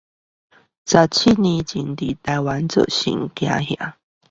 十七年前在台灣造成恐慌